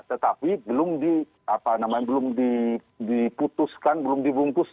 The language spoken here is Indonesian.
tetapi belum diputuskan belum dibungkus